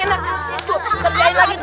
itu ngerjain lagi tuh